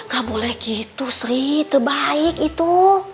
gak boleh gitu sri itu baik itu